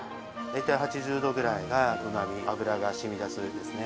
大体８０度ぐらいが、うまみ、脂がしみだすんですね。